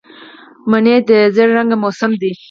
مني د زېړ رنګ موسم دی